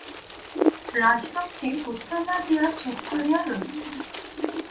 রাজলক্ষ্মী উত্তর না দিয়া চুপ করিয়া রহিলেন।